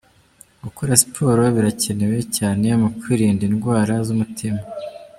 Gukora siporo birakenewe cyane mu kwirinda indwara z'umutima.